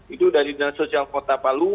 itu dari dinas sosial kota palu